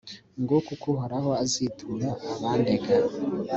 nguko uko uhoraho azitura abandega